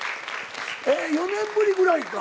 ４年ぶりぐらいか。